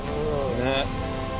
ねっ。